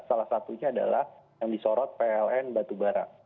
salah satunya adalah yang disorot pln batubara